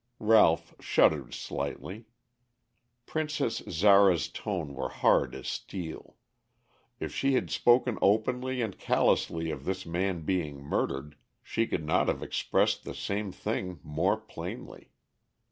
Ralph shuddered slightly. Princess Zara's tones were hard as steel. If she had spoken openly and callously of this man being murdered, she could not have expressed the same thing more plainly.